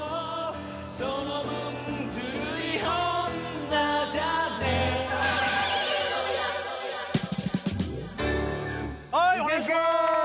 その分ズルい女だねはいお願いします！